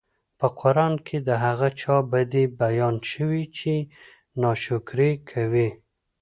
په قران کي د هغه چا بدي بيان شوي چې ناشکري کوي